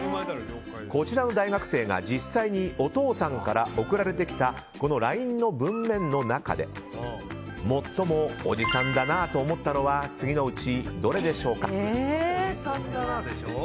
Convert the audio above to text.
こちらの大学生が実際にお父さんから送られてきたこのＬＩＮＥの文面の中で最もおじさんだなと思ったのは次のうち、どれでしょうか。